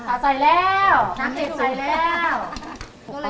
ใส่แล้วน้ำพริกใส่แล้ว